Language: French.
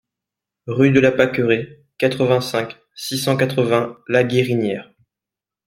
Rue de la Pâqueraie, quatre-vingt-cinq, six cent quatre-vingts La Guérinière